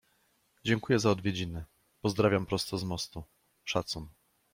Dziękuję za odwiedziny. Pozdrawiam prosto z mostu. Szacun